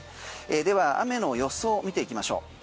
では、雨の予想を見ていきましょう。